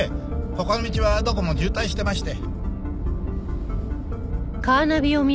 他の道はどこも渋滞してまして。